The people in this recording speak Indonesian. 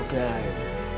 luar biasa ya kisahnya